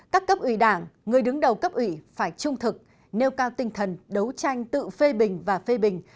các cấp ủy đảng người đứng đầu cấp ủy phải trung thực nêu cao tinh thần đấu tranh tự phê bình và phê bình